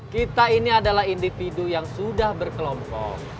kita ini adalah individu yang sudah berkelompok